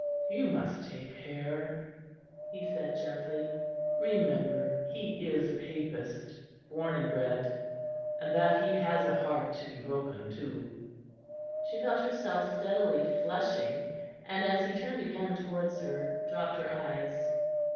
"You must take care," he said gently. "Remember he is a Papist, born and bred; and that he has a heart to be broken too." She felt herself steadily flushing; and as he turned again towards her, dropped her eyes.